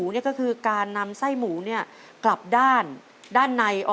ขอเชยคุณพ่อสนอกขึ้นมาต่อชีวิตเป็นคนต่อชีวิตเป็นคนต่อชีวิต